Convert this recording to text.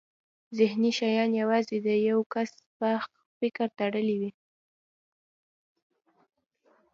ذهني شیان یوازې د یو کس په فکر تړلي وي.